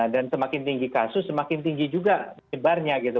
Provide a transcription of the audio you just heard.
dan semakin tinggi kasus semakin tinggi juga jebarnya gitu